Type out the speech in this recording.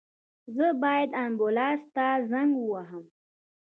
زه باید آنبولاس ته زنګ ووهم